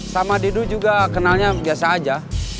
sama didu juga kenalnya biasa aja